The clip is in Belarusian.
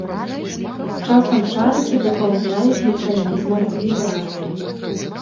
Часам шарыкі дапаўняюць механізмам вібрацыі.